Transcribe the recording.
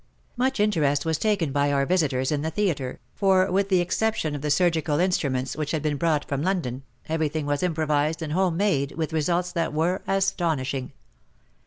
Much interest was taken by our visitors in the theatre, for with the exception of the surgical instruments which had been brought from London, everything was improvized and home made, with results that were astonishing.